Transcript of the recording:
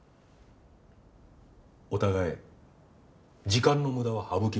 お互い時間の無駄は省きましょう。